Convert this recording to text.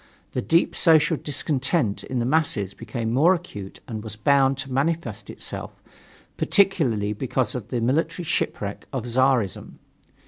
The deep social discontent in the masses became more acute and was bound to manifest itself, particularly because of the military shipwreck of Czarism.